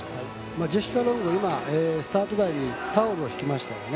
ジェシカ・ロングスタート台にタオルを敷きましたよね。